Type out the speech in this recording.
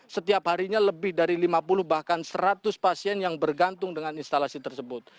setiap harinya lebih dari lima puluh bahkan seratus pasien yang bergantung dengan instalasi tersebut